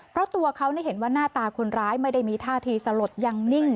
เพราะตัวเขาเห็นว่าหน้าตาคนร้ายไม่ได้มีท่าทีสลดยังนิ่ง